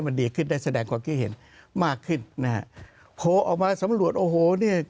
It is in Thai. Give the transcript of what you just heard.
โภห์ออกมาสำรวจโอ้โห